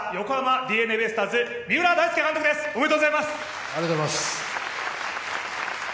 ＤｅＮＡ横浜ベイスターズ、三浦大輔監督です、おめでとうございます！